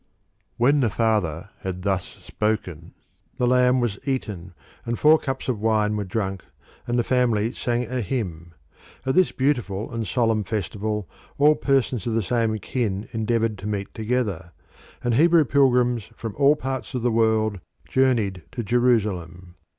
When the father had thus spoken the lamb was eaten, and four cups of wine were drunk, and the family sang a hymn. At this beautiful and solemn festival all persons of the same kin endeavoured to meet together, and Hebrew pilgrims from all parts of the world journeyed to Jerusalem.